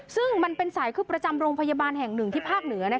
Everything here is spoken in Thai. ซึ่งมันเป็นสายคึกประจำโรงพยาบาลแห่งหนึ่งที่ภาคเหนือ